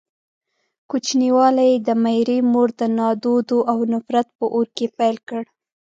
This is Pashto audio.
کوچنيوالی يې د ميرې مور د نادودو او نفرت په اور کې پيل کړ.